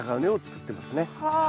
はあ。